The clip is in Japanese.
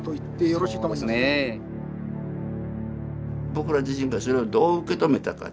僕ら自身がそれをどう受け止めたか。